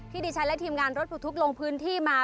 ดิฉันและทีมงานรถปลดทุกข์ลงพื้นที่มา